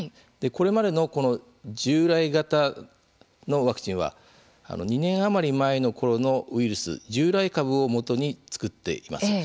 これまでの従来型のワクチンは２年余り前のころのウイルス従来株をもとに作っています。